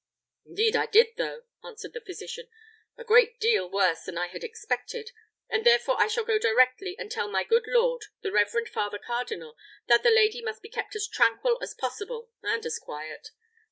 "Indeed I did though!" answered the physician; "a great deal worse than I had expected, and therefore I shall go directly and tell my good lord, the reverend father cardinal, that the lady must be kept as tranquil as possible, and as quiet."